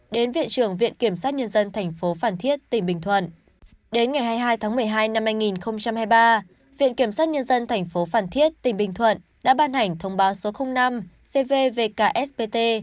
đến ngày hai mươi hai tháng một mươi hai năm hai nghìn hai mươi ba viện kiểm sát nhân dân tp phản thiết tỉnh bình thuận đã bàn hành thông báo số năm cvvksbt